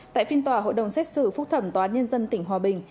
tại phiên tòa hội đồng xét xử phúc thẩm tòa án nhân dân tỉnh hòa bình